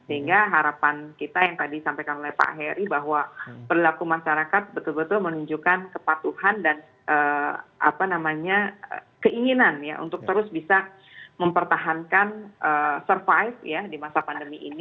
sehingga harapan kita yang tadi disampaikan oleh pak heri bahwa perilaku masyarakat betul betul menunjukkan kepatuhan dan apa namanya keinginan ya untuk terus bisa mempertahankan survive ya di masa pandemi ini